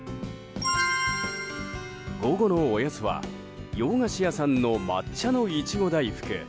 午後のおやつは洋菓子屋さんの抹茶の苺大福。